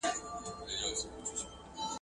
دا اقتصادي پروسه باید په دقت سره تطبیق سي.